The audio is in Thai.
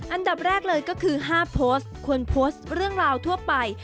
อันดับแรกเลยก็คือ๕โพสต์ควรโพสต์เรื่องราวทั่วไป